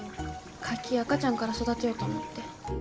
カキ赤ちゃんから育てようと思って。